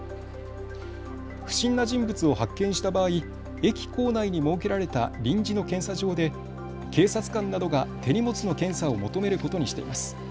不審な人物を発見した場合、駅構内に設けられた臨時の検査場で警察官などが手荷物の検査を求めることにしています。